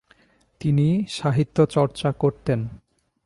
তিনি সাহিত্য চর্চা করতেন।